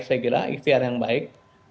saya kira ikhtiar yang baik